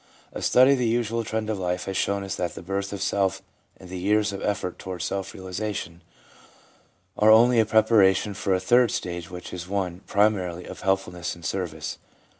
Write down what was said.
A study of the usual trend of life has shown us that the birth of self and the years of effort towards self realisation are only a preparation for a third stage, which is one, primarily, of helpfulness and service.